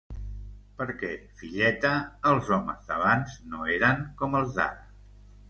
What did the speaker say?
Perquè, filleta, els homes d'abans no eren com els d'ara.